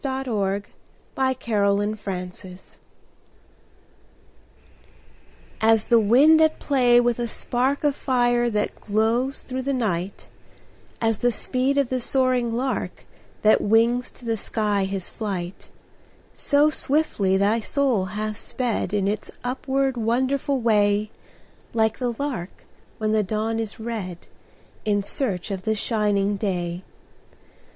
Louisa M. Alcott IN MEMORIAM As the wind at play with a spark Of fire that glows through the night; As the speed of the soaring lark That wings to the sky his flight So swiftly thy soul has sped In its upward wonderful way, Like the lark when the dawn is red, In search of the shining day.